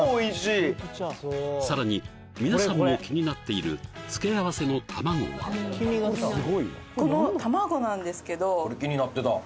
さらに皆さんも気になっている付け合わせの卵はこれがいただきますうん！